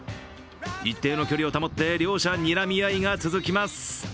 一定の距離を保って、両者にらみ合いが続きます。